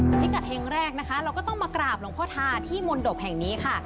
พิกัดเฮงแรกนะคะเราก็ต้องมากราบหลวงพ่อทาที่มนตบแห่งนี้ค่ะ